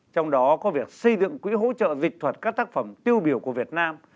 trong đó có việc xây dựng quỹ hỗ trợ dịch thuật các tác phẩm tiêu biểu của việt nam